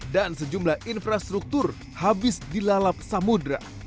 dan sejumlah infrastruktur habis dilalap samudera